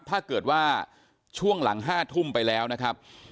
ถ้าเกิดว่าช่วงหลัง๕ทุ่มไปแล้วนะครับ